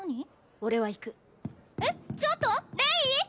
俺は行くえっちょっとレイ！